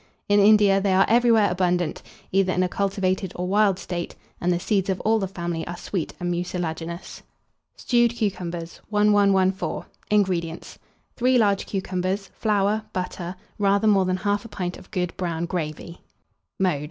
In India they are everywhere abundant, either in a cultivated or wild state, and the seeds of all the family are sweet and mucilaginous. STEWED CUCUMBERS. 1114. INGREDIENTS. 3 large cucumbers, flour, butter, rather more than 1/2 pint of good brown gravy. Mode.